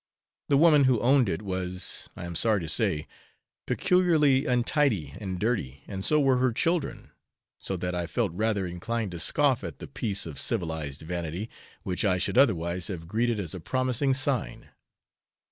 The woman who owned it was, I am sorry to say, peculiarly untidy and dirty, and so were her children: so that I felt rather inclined to scoff at the piece of civilized vanity, which I should otherwise have greeted as a promising sign.